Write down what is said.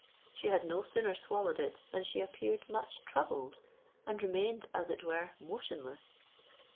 She had no sooner swallowed it than she appeared much troubled, and remained as it were motionless.